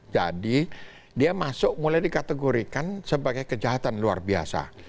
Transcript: jadi dia masuk mulai dikategorikan sebagai kejahatan luar biasa